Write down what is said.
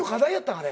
あれ。